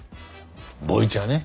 ボイチャね。